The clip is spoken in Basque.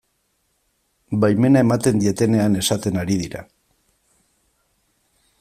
Baimena ematen dietenean esaten ari dira.